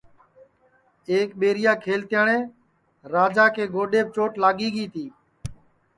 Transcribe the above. ایک ٻیریا کھلتیاٹؔے راجا کے گوڈؔیپ چوٹ لاگی گی تی